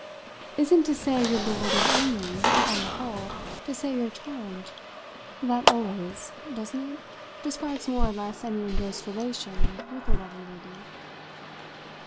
"Isn't to say you're bewildered only, on the whole, to say you're charmed? That always doesn't it? describes more or less any engrossed relation with a lovely lady."